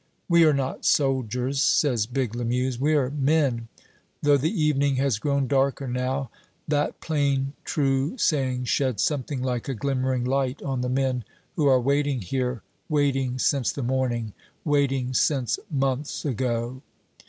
"We are not soldiers," says big Lamuse, "we're men." Though the evening has grown darker now, that plain true saying sheds something like a glimmering light on the men who are waiting here, waiting since the morning, waiting since months ago.